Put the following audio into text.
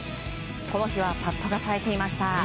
この日はパットがさえていました。